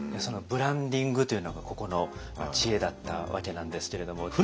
そのブランディングというのがここの知恵だったわけなんですけれども。